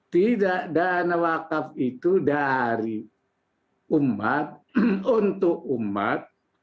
tidak dana wakaf itu dari umat untuk umat